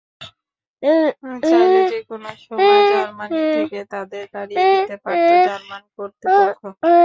চাইলে যেকোনো সময় জার্মানি থেকে তাঁদের তাড়িয়ে দিতে পারত জার্মান কর্তৃপক্ষ।